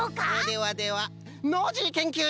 ではではノージーけんきゅういん！